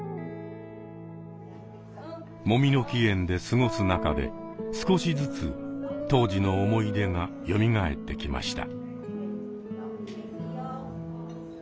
もみの木苑で過ごす中で少しずつ当時の思い出がよみがえってきました。